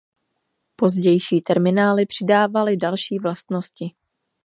Pozdější terminály přidávaly další vlastnosti.